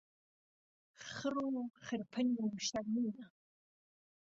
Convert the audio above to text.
خڕ و خرپن و شهرمینه